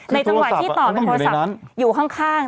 จังหวะที่ตอบในโทรศัพท์อยู่ข้าง